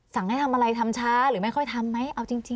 ให้ทำอะไรทำช้าหรือไม่ค่อยทำไหมเอาจริง